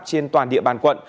trên toàn địa bàn quận